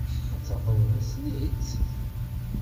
Ad tafeḍ nessen-itt.